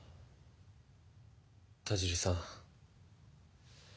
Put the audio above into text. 田尻さん。